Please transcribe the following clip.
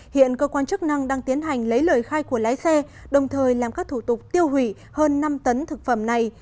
hiện cơ quan chức năng đang tiến hành lấy lời khai của lái xe đồng thời làm các thủ tục tiêu hủy hơn năm tấn thực phẩm này